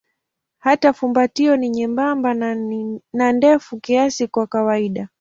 Hata fumbatio ni nyembamba na ndefu kiasi kwa kawaida.